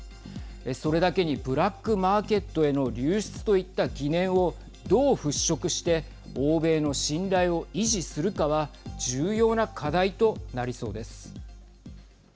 それだけにブラックマーケットへの流出といった疑念をどう払拭して欧米の信頼を維持するかは重要な課題となりそうです。